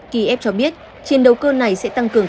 kiev cho biết chiến đấu cơ này sẽ tăng cường